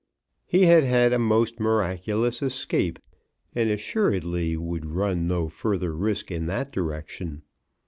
He had had a most miraculous escape, and assuredly would run no further risk in that direction.